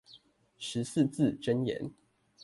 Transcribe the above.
十四字真言